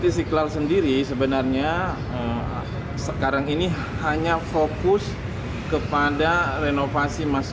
istiqlal sendiri sebenarnya sekarang ini hanya fokus kepada renovasi masjid